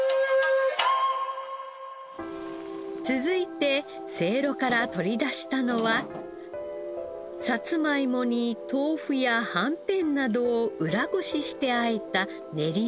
続いてせいろから取り出したのはさつまいもに豆腐やはんぺんなどを裏ごしして和えた練り物。